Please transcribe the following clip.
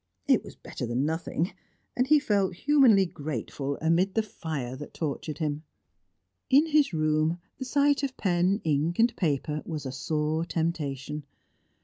It was better than nothing, and he felt humanly grateful amid the fire that tortured him. In his room the sight of pen, ink and paper was a sore temptation.